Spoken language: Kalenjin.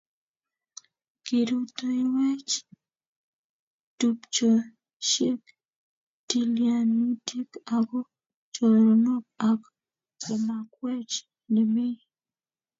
Kirutoiyweech tupchosyek, tilyanutiik ako choronook ak komakweech nemie.